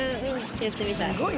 やってみたい。